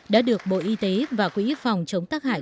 đã được bộ y tế và quỹ phòng chống tác hại